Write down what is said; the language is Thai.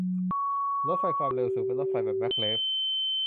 รถไฟความเร็วสูงเป็นรถไฟแบบแม็กเลฟ